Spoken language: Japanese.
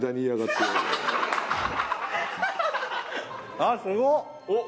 ああすごっ！